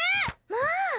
まあ！